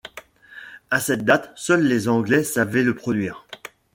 À cette date, seuls les Anglais savaient le produire.